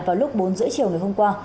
vào lúc bốn giữa chiều ngày hôm qua